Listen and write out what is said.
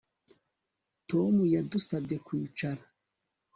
Tom yadusabye kwicara